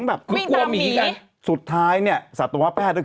แล้วสุดท้ายเนี่ยศัตรูว่าแพทย์